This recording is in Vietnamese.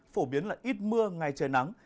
phổ biến là ít mưa ngày trời nắng